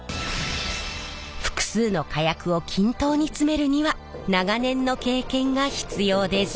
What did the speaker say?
複数の火薬を均等に詰めるには長年の経験が必要です。